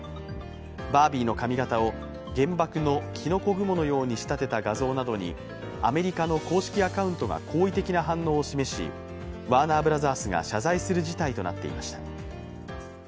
バービーの髪形を原爆のきのこ雲のように仕立てた画像などにアメリカの公式アカウントが好意的な反応を示し、ワーナー・ブラザースが謝罪する事態となっていました。